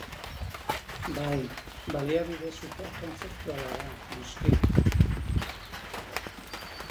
Bai, baliabide superkontzeptuala da, noski.